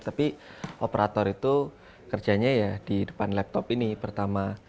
tapi operator itu kerjanya ya di depan laptop ini pertama